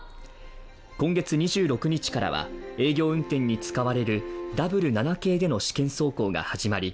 今月２６日からは営業運転に使われるＷ７系での試験走行が始まり